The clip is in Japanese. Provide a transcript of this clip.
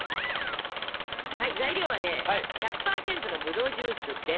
材料はね１００％のぶどうジュースです。